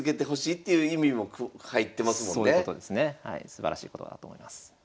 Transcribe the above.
すばらしい言葉だと思います。